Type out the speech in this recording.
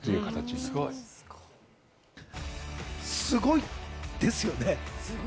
すごいですよね。